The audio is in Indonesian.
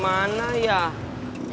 ada apa be